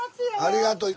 ありがとう。